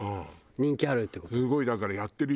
人気あるって事？